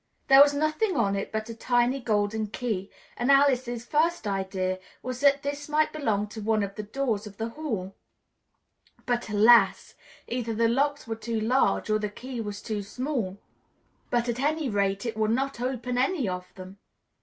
There was nothing on it but a tiny golden key, and Alice's first idea was that this might belong to one of the doors of the hall; but, alas! either the locks were too large, or the key was too small, but, at any rate, it would not open any of them.